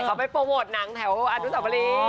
เขาไปโปรโหทหนังแถวอันดุสับปรี